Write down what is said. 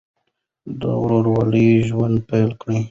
د ورورولۍ ژوند پیل کړئ.